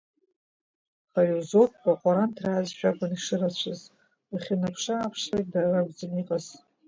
Хариузовка ҟәараанҭразшәа акәын ишырацәаз, уахьынаԥш-ааԥшлак дара ракәӡан иҟаз.